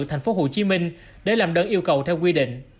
thành phố hồ chí minh để làm đơn yêu cầu theo quy định